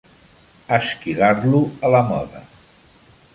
Esquilar-lo a la moda.